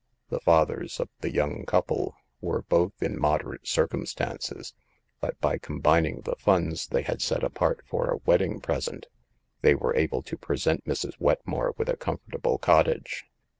The fathers of the young couple were both in moderate cir cumstances, but, by combining the funds they had set apart for a wedding present, they were able to present Mrs. Wetmore with a comfort able cottage.